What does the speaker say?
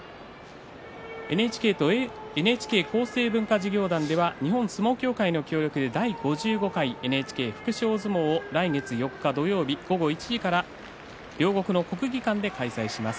ＮＨＫとＮＨＫ厚生文化事業団では日本相撲協会の協力で第５５回ＮＨＫ福祉大相撲を来月４日土曜日午後１時から両国の国技館で開催します。